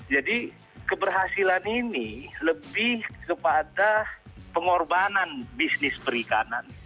jadi keberhasilan ini lebih kepada pengorbanan bisnis perikanan